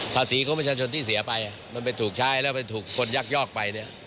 ของประชาชนที่เสียไปมันไปถูกใช้แล้วไปถูกคนยักยอกไปเนี่ย